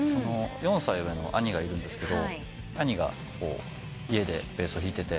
４歳上の兄がいるんですけど兄が家でベースを弾いてて。